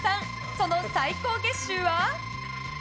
その最高月収は。